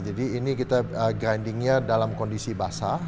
jadi ini kita grindingnya dalam kondisi basah